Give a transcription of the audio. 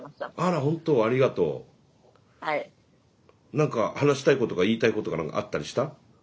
何か話したいこととか言いたいことが何かあったりした？